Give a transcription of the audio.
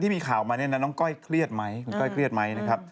มีข่าวมาเนี่ยนะน้องก้อยเครียดไหมคุณก้อยเครียดไหมนะครับ